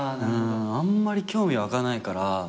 あんまり興味湧かないから。